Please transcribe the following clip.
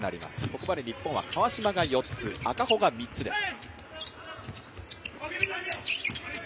ここまで日本は川島が４つ、赤穂が３つです。